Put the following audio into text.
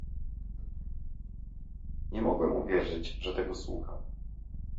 Nie mogłem uwierzyć, że tego słucham